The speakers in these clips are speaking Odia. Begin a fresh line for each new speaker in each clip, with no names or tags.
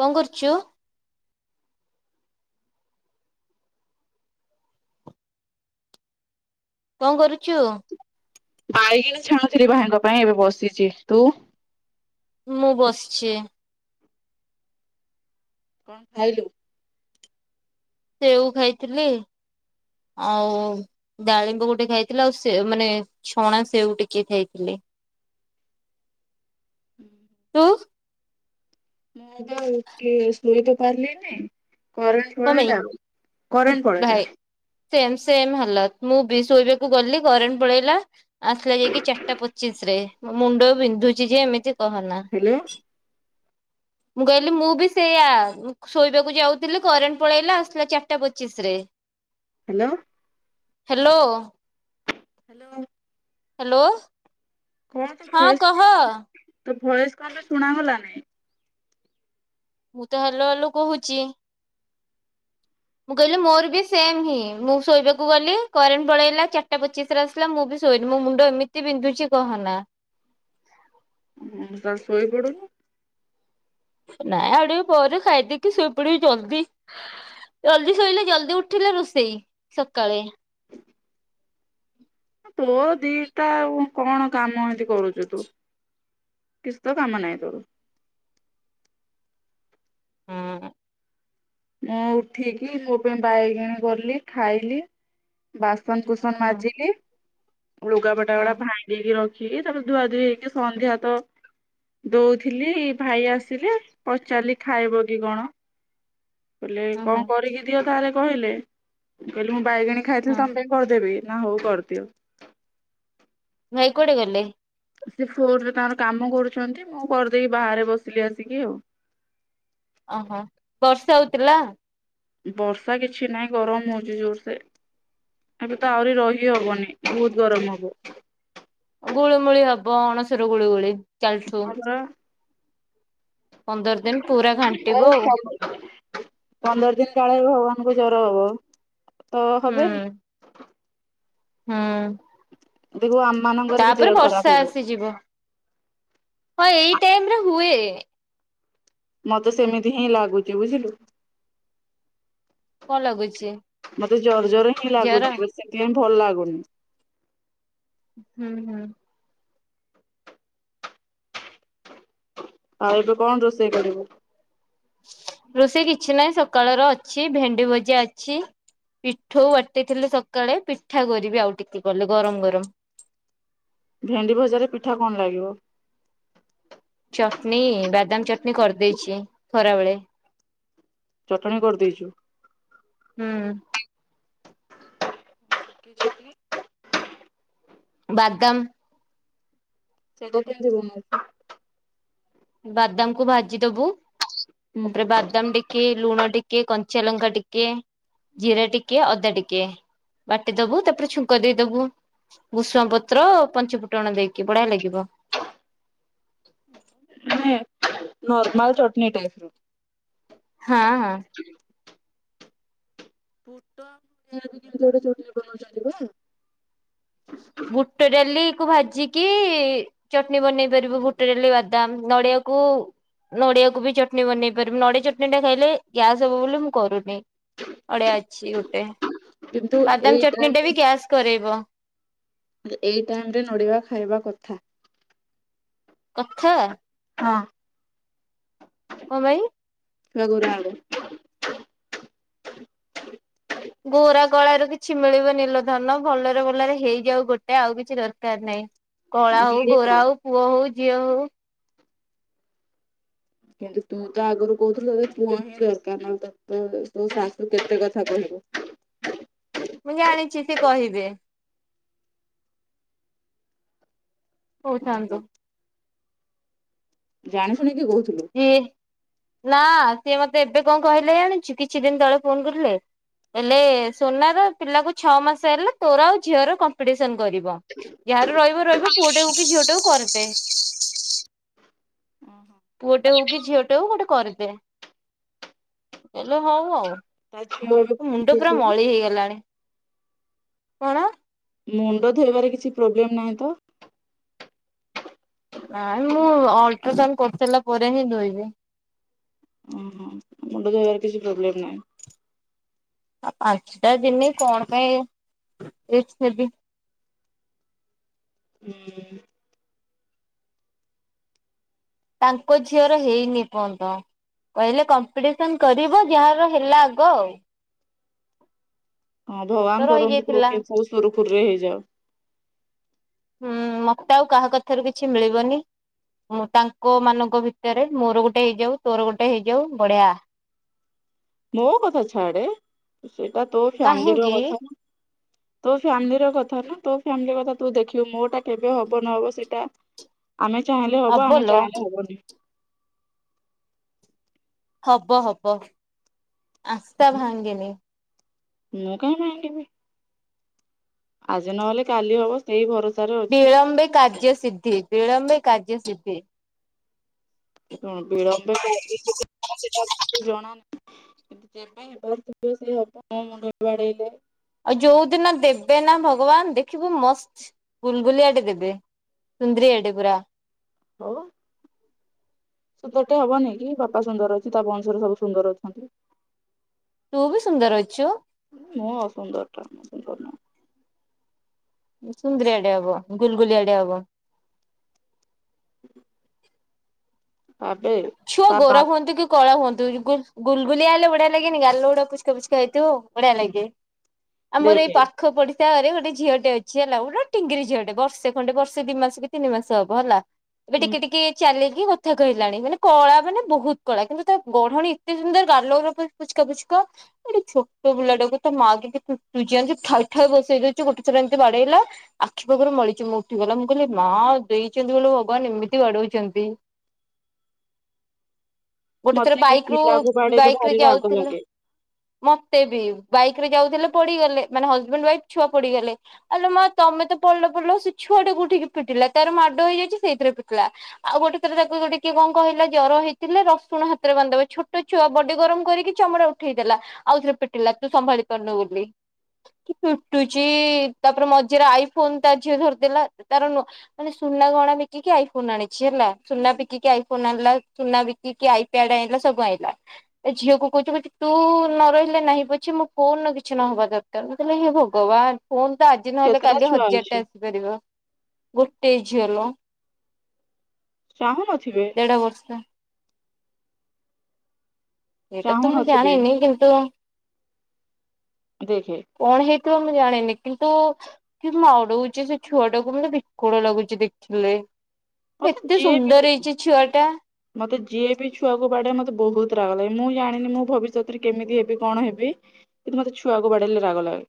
କଣ କରୁଚୁ? କଣ କରୁଚୁ?
ବାଇଗିନ ଛାଣୁଥିଲି ଭାଇଙ୍କ ପାଇଁ ଏବେ ବସିଚି ତୁ?
ମୁଁ ବସିଛି।
କଣ ଖାଇଲୁ?
ସେଉ ଖାଇଥିଲି। ଆଉ ଡାଳିମ୍ବ ଗୋଟେ ଖାଇଥିଲେ, ଆଉ ସେ ମାନେ ଛଣା ସେ ଟିକେ ଖାଇଥିଲି। [inaudible]
ହୁଁ
ତୁ
ମୁଁ ତ ରୁଟି ସୋଇ ତ ପାରିଲିନି। କରେଣ୍ଟ
କଣ ପାଇଁ?
ପଳେଇଲା କରେଣ୍ଟ ପଳେଇଲା।
ସେ ସେ ହେଲା ମୁଁ ବି ଶୋଇବାକୁ ଗଲି କରେଣ୍ଟ ପଳେଇଲା। ଆସିଲା ଯାଇକି ଚାରିଟା ପଚିଶ ରେ ମୁଣ୍ଡ ବିନ୍ଧୁଛି ଯେ ଏମିତି କହନା।
ହ୍ୟାଲୋ
ମୁଁ କହିଲି ମୁଁ ବି ସେଇୟଆ ଶୋଇବାକୁ ଯାଉଥିଲି କରେଣ୍ଟ ପଳେଇଲା ଆସିଲା ଚାରିଟା ପଚିଶ ରେ। [inaudible]
ହ୍ୟାଲୋ।
ହାଲୋ।
ହାଲୋ।
ହାଲୋ।
କଣ ତୋ ଭଏସ ତୋ ଭଏସ କଣ ପାଇଁ ଶୁଣାଗଲାନି।
ମୁଁ ତ ହାଲୋ ହାଲୋ କୋହୁଚି। ମୁଁ କହିଲି ମୋର ବି ସେମ୍ ହିଁ ମୁଁ ଶୋଇବାକୁ ଗଲି କରେଣ୍ଟ ପଳେଇଲା ଚାରିଟା ପଚିଶରେ ଆସିଲା ମୁଁ ବି ଶୋଇନି ମୋ ମୁଣ୍ଡ ଏମିତି ବିନ୍ଧୁଛି କହନା।
ହୁଁ ତ ଶୋଇ ପଡୁନୁ।
ନାଇଁ ଆଉ ଟିକେ ପରେ ଖାଇଦେଇକି ଶୋଇପଡ଼ିବି ଜଲ୍ଦୀ। ଜଲ୍ଦି ଶୋଇଲେ ଜଲ୍ଦୀ ଉଠିଲେ ରୁଷେଇ ସକାଳେ।
ତୋ ଦିଟା ଆଉ କଣ କାମ ଏନ୍ତୀ କରୁଚୁ ତୁ। କିଛି ତ କାମ ନାହିଁ ତୋରୋ।
[inaudible] ହୁଁ।
ମୁଁ ଉଠିକି ମୋ ପାଇଁ ବାଇଗେଣୀ ଗଲି ଖାଇଲି ବାସ ବାସନ କୁସନ
ହୁଁ
ମାଜିଲି, ଲୁଗାପଟା
ହୁଁ
ଗୁଡା ଭାଙ୍ଗିକି ରଖି ରଖିକି ତାପରେ ଧୂଆ ଧୂଇ ହେଇକି ସନ୍ଧ୍ୟା ତ ଦୋଉଥିଲି ଭାଇ ଆସିଲେ, ପଚାରିଲି ଖାଇବ କି କଣ। କହିଲେ
ହୁଁ
କଣ
ହୁଁ
କରିକି ଦିଅ ତାହେଲେ କହିଲେ, ମୁଁ କହିଲି ମୁଁ ବାଇଗେଣୀ
ହୁଁ
ଖାଇଥିଲି ତମ ପାଇଁ କରିଦେବି। ନା ହୋଉ କରିଦିଅ।
ଇ କୁଆଡ଼େ ଗଲେ।
ସେ ଫୋନରେ ତାଙ୍କର କାମ କରୁଛନ୍ତି ମୁଁ କରିଦେଇକି ବାହାରେ ବସିଲି ଆସିକି ଆଉ।
ଅହଁ ବର୍ଷା ହୋଉଥିଲା।
ବର୍ଷା କିଛି ନାଇଁ ଗରମ ହୋଉଛି ଜୋରୋ ସେ। ଏବେ ତ ଆହୁରି ରହି ହବନି ବୋହୁତ ଗରମ ହବ।
ଗୁଳୁମୁଳି ହବ ଅଣସର ଗୁଳୁଗୁଳି ଚାଲଠୁ।
ହଁ ପରା
ଦିନ
[unintelligible]
ପୁରା ଘାଣ୍ଟିବ ଆଉ
ପନ୍ଦର ଦିନ କାଳ ଏବେ ଭଗବାନଙ୍କୁ ଜର ହବ ତ
ହୁଁ
ହବେନି।
ହୁଁ।
ଦେଖିବୁ ଆମ୍
ତାପରେ ବର୍ଷା ଆସିଯିବ। ହଁ ଏଇ ଟାଇମ୍ ରେ ହୁଏ।
ମତେ ସେମିତି ହିଁ ଲାଗୁଚି ବୁଝିଲୁ।
କଣ ଲାଗୁଛି
ମତେ ଜର ଜର ହିଁ
ଜର
ଲାଗୁଚି ମୁଁ ସେଥିପାଇଁ ଭଲ ଲାଗୁନି।
ହୁଁ ହୁଁ।
ଆଉ ଏବେ କଣ ରୋଷେଇ କରିବୁ।
ରୋଷେଇ କିଛି ନାହିଁ ସକାଳର ଅଛି ଭେଣ୍ଡି ଭଜା ଅଛି। ପିଠୋଉ ବାଟିଥିଲି ସକାଳେ ପିଠା କରିବି ଆଉ ଟିକେ ଗଲେ ଗରମ ଗରମ।
ଭେଣ୍ଡି ଭଜାରେ ପିଠା କଣ ଲାଗିବ।
ଚଟନୀ ବାଦାମ ଚଟନୀ କରିଦେଇଛି ଖରାବେଳେ।
ଚଟଣି କରିଦେଇଚୁ।
ହୁଁ।
କି ଚଟନୀ।
ବାଦାମ।
ସେଇଡ଼ା କେନ୍ତି ହୁଏ।
ବାଦାମ କୁ ଭାଜି ଦୋବୁ
ହୁଁ
ତାପରେ ବାଦାମ ଟିକେ ଲୁଣ ଟି କେ କଞ୍ଚ ଲଙ୍କା ଟିକେ ଜିରା ଟିକେ ଅଦା ଟିକେ ବାଟି ଦୋବୁ ତାପରେ ଛୁଙ୍କ ଦେଇଦୋବୁ ଭୂଶଙ୍ଗ ପତ୍ର ପଞ୍ଚୁ ଫୁଟଣ ଦେଇକି ବଢିଆ ଲାଗି ବ।
ମାନେ ନର୍ମାଲ ଚଟଣି ଟାଇପର।
ହଁ ହଁ।
ବୁଟ କେମତି ଗୋଟେ ଚଟଣି ବନଉଛନ୍ତି ପରା।
ଭୁଟ ଡାଲି କୁ ଭାଜିକି ଚଟଣି ବନେଇ ପାରିବ। ବୁଟ ଡାଲି ବାଦାମ ନଡିଆ ନଡିଆକୁ ବି ଚଟଣି ବନେଇ ପାରିବି, ନଡିଆ ଚଟଣି ଟା ଖାଇଲେ ଗ୍ୟାସ ହବ ବୋଲି ମୁଁ କରୁନି। ନଡ଼ିଆ ଅଛି ଗୋଟେ।
କିନ୍ତୁ ଏଇ
ବାଦାମ ଚଟଣି ଟା ବି
ଟାଇମରେ
ଗ୍ୟାସ୍ କରେଇବ।
ଏଇ ଟାଇମରେ ନଡିବା ଖାଇବା କଥା।
କଥା?
ହଁ।
କଣ ପେଇଁ?
[unintelligible]
ଗୋରା କଳାରୁ କିଛି ମିଳିବନି ଲୋ ଧନ। ଭଲରେ ଭଲରେ ହେଇଯାଉ ଗୋଟେ ଆଉ କିଛି ଦରକାର ନାହିଁ। କଳା ହଉ
ମିଳିବ।
ଗୋରା ହଉ ପୁଅ ହଉ ଝିଅ ହଉ।
କିନ୍ତୁ ତୁ ତ ଆଗରୁ କହୁଥିଲୁ ତ ପୁଅ ହିଁ ଦରକାର ନା ତ ତୋ ଶାଶୁ କେତେ କଥା କହୁ
ମୁଁ ଜାଣିଚି ସେ କହିବେ।
ଓହୋ
ହଉଥାନ୍ତୁ।
ଜାଣି ଶୁଣିକି କହୁ
ହୁଁ। ନା ସିଏ ମତେ ଏବେ କଣ କହିଲେ ଜାଣିଚୁ କିଛି ଦିନ ତଳେ ଫୋନ କରିଥିଲେ? ହେଲେ ସୋନାର ପିଲାକୁ ଛଅ ମାସ ହେଲେ ତୋର ଆଉ ଝିଅର କମ୍ପିଟିସନ କରିବ। ଯାହାର ରହିବ ରହିବ ପୁଅଟେ ହଉ କି ଝିଅଟେ ହଉ କରିଦେ।
ଓ ହୋ।
ପୁଅଟେ ହଉ କି ଝିଅଟେ ହଉ ଗୋଟେ କରିଦେ। ହେଲେ ହଉ ଆଉ।
ତା ଝିଅ
ମୁଣ୍ଡ ପୁରା
ଏବେ
ମଳି ହେଇଗଲାଣି। କଣ?
ମୁଣ୍ଡ ଧୋଇବାରେ କିଛି ପ୍ରୋବ୍ଲେମ ନାହିଁ ତ।
ନାଇ ମୁଁ ଅଲଟ୍ରାସାଉଣ୍ଡ କରିସାରିଲା ପରେ ହିଁ ଧୋଇବି।
ଓହୋ ମୁଣ୍ଡ ଧୋଇବାର କିଛି ପ୍ରୋବ୍ଲେମ ନାହିଁ।
ଆ ପାଞ୍ଚଟା ଦିନି କଣ ପାଇଁ ରିକ୍ସ ନେବି।
ହୁଁ।
ତାଙ୍କ ଝିଅର ହେଇନି ଏପର୍ଯ୍ୟନ୍ତ। କହିଲେ କମ୍ପିଟିସନ କରିବ ଯାହାର ହେଲା ଆଗ ଆଉ।
ହଁ
ମୋର ତ
ଭଗବାନ କରନ୍ତୁ ତୋର
ରହିଯାଇଥିଲା।
ଗୋଟେ ପୁଅ ସୁରୁଖୁରୁରେ ହେଇଯାଉ।
ହୁଁ ମତେ ଆଉ କାହା କଥାରୁ କିଛି ମିଳିବନି। ମୁଁ ତାଙ୍କ ମାନଙ୍କ ଭିତରେ ମୋର ଗୋଟେ ହେଇଯାଉ ତୋର ଗୋଟେ ହେଇଯାଉ ବଢିଆ।
ମୋ କଥା ଛାଡେ ସେଇଟା ତୋ ଫ୍ୟାମିଲିର
କାହିଁକି
କଥା। ତୋ ଫାମିଲି ର କଥା ନା ତୋ ଫ୍ୟାମିଲି କଥା ତୁ ଦେଖିବୁ ମୋଟା କେବେ ହବ ନହବ ସେଇଟା
[inaudible]
ଆମେ ଚାହିଁଲେ ହବ ଆମେ
ହବଲୋ
ଚାହିଁଲେ ହବନି।
ହବ ହବ ଆଶା ଭାଙ୍ଗେନି।
ମୁଁ କାଇଁ ଭାଙ୍ଗିବି। ଆଜି ନହେଲେ କାଲି ହବ ସେଇ ଭରସା।
ବିଳମ୍ବେ କାର୍ଯ୍ୟ ସିଦ୍ଧି ବିଳମ୍ବେ କାର୍ଯ୍ୟ ସିଦ୍ଧି।
ଶୁଣୁ ବିଳମ୍ବ କାର୍ଯ୍ୟ ସିଧି ମୋତେ ଜଣା ନାହିଁ। ଯେବେ ହେବାର ଥିବ ସେ ହବ। ମୁଁ ମୁଣ୍ଡ ବାଡେଇଲେ
ଆଉ ଯୋଉ ଦିନ ଦେବେ ନା ଭଗବାନ ଦେଖିବୁ ମସ୍ତ ଗୁଲଗୁଲିଆ ଟେ ଦେବେ। ସୁନ୍ଦରିଆ ଟେ ପୁରା।
ହଉ। ତ ତୋର ଟେ ହବନି କି ବାପା ସୁନ୍ଦର ଅଛି ତା ବଂଶରେ ସବୁ ସୁନ୍ଦର ଅଛନ୍ତି।
ତୁ ବି ସୁନ୍ଦର ଅଛୁ।
ମୁଁ ଅସୁନ୍ଦର [unintelligible]
ସୁନ୍ଦରଆଡେ ଆବ ଗୁଲଗୁଲିଆଡେ ହବା।
ହ।
ଛୁଆ
ତା ବା
ଗୋରା ହୁଅନ୍ତୁ କି କଳା ହୁଅନ୍ତୁ ଗୁଲଗୁଲିଆ ହେଲେ ବଢିଆ ଲାଗନି ଗାଲ ଗୋଡା ପୁଚକା ପୁଚକା ଯାଇଥିବ। ବଢିଆ ଲାଗେ ଆମର ଏଇ
ଦେଖେ
ପାଖ ପଡି ତାରେ ଗୋଟେ ଝିଅଟେ ଅଛି ହେଲା ଗୋଟେ ଟିଙ୍ଗିରି ଝିଅଟେ ବର୍ଷେ ଖଣ୍ଡେ ବର୍ଷେ ଦି ମାସ କି ତିନି ମାସ ହବ ହେଲା। ଏବେ
ହୁଁ
ଟିକେ ଟିକେ ଚାଲିକି କଥା କହି ଲାଣି ମାନେ କଳା ମାନେ ବହୁତ କଳା କିନ୍ତୁ ତା ଗଢହଣି ଏତେ ସୁନ୍ଦର ଗାଲ ଗୁରକ ପୁଚକା ପୁଚକା। ଛୋଟ ପିଲା ଟାକୁ ତା ମା କେତେ କୁଟୁଛି ଜାଣିଛୁ ଠା ଠା ବସେଇ ଦଉଛୁ ଗୋଟେ ଥର ଏମତି ବାଡେଇଲା। ଛୁଆ ପୁରା ମଲିଚମ ଉଠି ଗଲା ମୁଁ କହିଲି ମା ଦେଇଛନ୍ତି ବୋଲି ଭଗବାନ ଏମିତି ବାଡଉଛନ୍ତି। ଗୋଟେ ଥର
ମତେ କେହି
ବାଇକ୍ ରୁ
ପିଲାକୁ ବାଡେଇଲେ
ବାଇକ୍ ରେ
ଭାରି ରାଗ
ଯାଉଥିଲା
ଲାଗେ
ମତେବି ବାଇକ୍ ଏଥିରେ ଯାଉଥିଲେ ପଡିଗଲେ ମାନେ ହଜ୍ ବେଣ୍ଡ୍ ୱାଇଫ୍ ଛୁଆ ପଡିଗଲେ ଆଲୋ ମା ତମେତ ପଡିଲ ପଡିଲ ସେ ଛୁଆ ଟା କୁ ଉଠିକି ପିଟିଲା ତାର ମାଡ ହେଇଯାଇଛି ସେଇଥିରେ ପିଟିଲା ଆଉ ଗୋଟେ ଥର ତାକୁ ଗୋଟେ କିଏ କଣ କହିଲା ଜର ହେଇ ଥିଲେ ରସୁଣ ହାତରେ ବାନ୍ଧିଦବ ଛୋଟ ଛୁଆ ବଡି ଗରମ କରିକି ଚମଡ଼ା ଉଠେଇ ଦେଲା। ଆଉଥରେ ପିଟିଲା ତୁ ସମ୍ଭାଳି ପାରୁନୁ ବୋଲି। କି ପିଟୁଚି ତା ପରେ ମଝିରେ ଆଇ ଫୋନ୍ ତା ଝିଅ ଧର୍ ଦେଲା ତାର ମାନେ ସ ସୁନା ଗହଣା ବିକିକି ଆଇ ଫୋନ୍ ଆଣିଛି ହେଲା ସୁନା ବିକ୍ କି କି ଆଇ ଫୋନ୍ ଆଣିଲା କିନା ବିକି କି ଆଇ ପ୍ୟାଡ୍ ଆଣିଲା ସବୁ ଆଣିଲା ଏଇ ଝିଅ କୁ କୋହୁଚି ମୁଁ ତୁ ନ ରହିଲେ ନାହିଁ ପଛେ ମୋ ଫୋନ୍ ର କିଛି ନ ହେବା ଦରକାର ମୁଁ କହିଲି ହେ ଭଗବାନ୍ ଫୋନ୍ ତ ଆଜି ନହେଲେ
କେତେଟା
କାଲି
ଛୁଆ
ହଜାର
ଅଛି
ଟା ଆସି ପାରିବ ଗୋଟେ ଝିଅ ଲୋ
ଚାହୁ ନଥିବେ
ଦେଢ ବର୍ଷ ଏଇଟା ତ ମୁଁ
ଚାହୁଁନଥିବେ
ଜାଣିନି କିନ୍ତୁ
ଦେଖେ
ତେ ମୁଁ ଜାଣିନି କିନ୍ତୁ କି ବାଡ଼ଉଛି ସେ ଛୁଆ ଟାକୁ ବିକଳ ଲାଗୁଛି ଦେଖିଲେ।
ମତେ
ଏତେ
ଯିଏ ବି
ସୁନ୍ଦର ହେଇଛି ଛୁଆ ଟା
ମତେ ଯିଏ ବି ଛୁଆକୁ ଵାଡ଼ାଏ ମତେ ବହୁତ୍ ରାଗଲାଗେ ମୁଁ ଜାଣିନି ମୁଁ ଭବିସ୍ୱତରେ କେମିତି ହେବି କଣ ହେବି। କିନ୍ତୁ ମତେ ଛୁଆ କୁ ବାଡ଼େଇଲେ ରାଗ ଲାଗେ।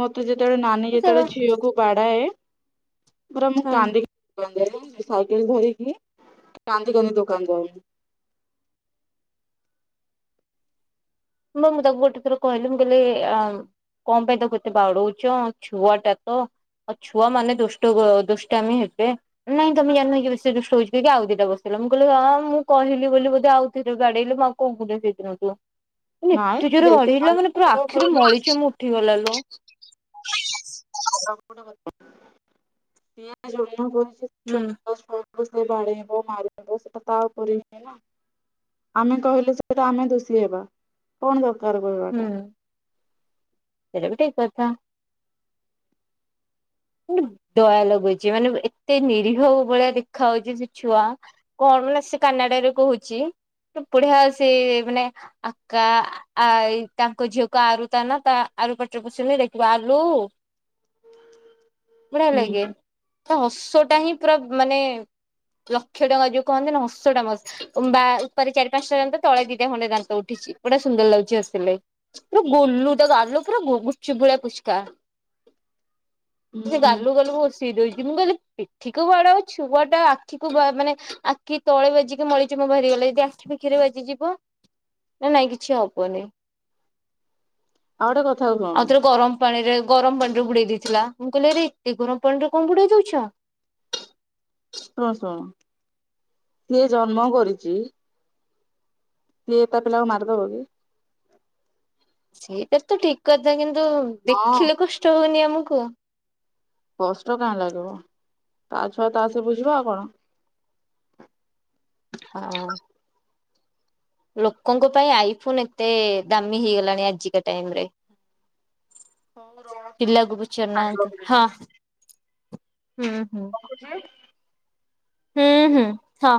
ମତେ ଯେତେବେଳେ ନାନୀ
ସେ
ଯେତେବେଳେ ଝିଅକୁ ବାଡାଏ ପୁରା ମୁଁ
ହଁ
କନ୍ଦିକି [unintelligible] ସାଇକେଲ ଧରିକି। କାନ୍ଦି କାନ୍ଦି ଦୋକାନ ଯାଉନି।
ମୁ ମୁଁ ତାକୁ ଗୋଟେ ଥର କହିଲି ମୁଁ କହିଲି ଆ କଣ ପାଇଁ ତାକୁ ଏତେ ଵାଡଉଚ ଛୁଆଟା ତ ଆଉ ଛୁଆ ମାନେ ଦୁଷ୍ଟ କୁ ଆଉ ଦୁଷ୍ଟାମି ହେବେ ନାଇଁ ତମେ ଜାଣିନ କି ସେ ଦୁଷ୍ଟ ହୋଉଛି କି ଆଉ ଦି ଟା ବସେ ମୁଁ କହିଲି ଆଉ ମୁଁ କହିଲି ବୋଲି ବୋଧେ ଆଉ କିଏ କିଏ ବାଡ଼େଇଲେ ମୁଁ ଆଉ କଣ କରିମି ସେଇ ତିରେ ୟାଙ୍କୁ ତମେ ଏତେ
ନାଇଁ
ଜୋରେ
ଦେଖେ
ବାଡେଇଲା ମାନେ ପୁରା ଆଖିରୁ ମଳି ଚମ ଉଠି ଗଲା ଲୋ।
[unintelligible]
ହୁଁ
ବୋଉ ସେ ବାଡ଼େଇବ ମାରିବ ସେଟା ତା ଉପରେ ଇଏ ନା। ଆମେ କହିଲେ ସେଇଠା ଆମେ ଦୋଷୀ ହେବା କଣ ଦର୍
ହୁଁ ସେଇଟା ବି ଠିକ୍ କଥା। ମାନେ ଦୟା ଲାଗୁଛି ମାନେ ଏତେ ନିରୀହ ଭଳିଆ ଦେଖା ଯାଉଛି ସେ ଛୁଆ କଣ ତ ବେଳେ ସେ କାନାଡ଼ା ରେ କୋହୁଛି ତ ବଢିଆ ସେ ମାନେ ଆକା ଆ ଆ ଏଇ ତାଙ୍କ ଝିଅ କୁ ଆରୁ ତା ନାଁ ତା ଆରୁ ପାଟିରେ ପଶିବନି ଲେଖିବ ଆଲୁ। ବଢିଆ
ହୁଁ
ଲାଗେ ତା ହସ ଟା ହିଁ ପୁରା ମାନେ ଲକ୍ଷେ ଟଙ୍କା ଯୋଉ କହାନ୍ତିନି ହସ ଟା ମସ୍ତ୍ ବା ଉପରେ ଚାରି ପାଞ୍ଚଟା ଦାନ୍ତ ତଳେ ଦିଟା ଖଣ୍ଡେ ଦାନ୍ତ ଉଠ ଉଠିଛି ବଢିଆ ସୁନ୍ଦର ଲାଗୁଛି ହସ ସିଲେ ପୁର ଗୋଲୁ ତା ଗାଲ ପୁରା ଗୁପ୍ ଚୁପ୍ ଭଳିଆ ପୁଚକା।
ହୁଁ
ସେ
ହୁଁ
ଗାଲକୁ ଗାଲକୁ ବସେଇ ଦୋଉଚି ମୁଁ ଖାଲି ପିଠିକୁ ବାଡାଅ ଛୁଆଟା ଆଖିକୁ ମାନେ ଆଖି ତଳେ ବଜିକି ମଳି ଚମ ବାହାରି ଗଲା ଯଦି ଆଖି ପିଠିରେ ବାଜିଯିବ ନାଇଁ କିଛି ହବନି।
ଆଉ ଗୋଟେ କଥା ଶୁଣ
ଆଉଥରେ ଗରମ୍ ପାଣିରେ ଗରମ୍ ପାଣିରେ ବୁଡେଇଦେଇଥିଲା। ମୁଁ କହିଲି ଆରେ ଏତେ ଗରମ୍ ପାଣିରେ କଣ ବୁଡେଇଦୋଉଛ ।
ଶୁଣ ଶୁଣ ସିଏ ଜନ୍ମ କରିଛି । ସିଏ ତା ପିଲା କୁ ମାରି ଦବ କି
ସେଇଟା ତ ଠିକ୍ କଥା । କିନ୍ତୁ
ହଁ
ଦେଖିଲେ କଷ୍ଟ ହୋଉନି ଆମକୁ
କଷ୍ଟ କାହିଁ ଲାଗିବ ତା ଛୁଆ ତା ଆସ ବୁଝିବା ଆଉ କଣ
ହଁ ଲୋକଙ୍କ ପାଇଁ ଆଇଫୋନ୍ ଏତେ ଦାମି ହେଇ ଗଲାଣି ଆଜିକା ଟାଇମ୍ ରେ
ହଉ ରଖ ମୁଁ
ପିଲାକୁ ପଚାରୁ ନାହାନ୍ତି
ଖାଇବାକୁ ଦେବି
ହଁ ହୁଁ ହୁଁ
ରଖୁଛି।
ହୁଁ ହୁଁ ହ